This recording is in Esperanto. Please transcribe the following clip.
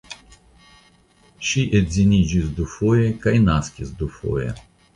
Ŝi edziniĝis dufoje kaj naskis dufoje.